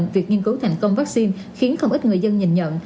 việc nghiên cứu thành công vaccine khiến không ít người dân nhìn nhận